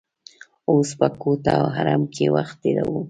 اوس په کوټه او حرم کې وخت تیروو.